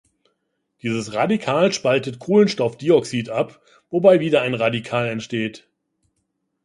Dieses Radikal spaltet Kohlenstoffdioxid ab, wobei wieder ein Radikal entsteht.